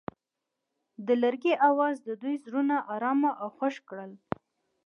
د لرګی اواز د دوی زړونه ارامه او خوښ کړل.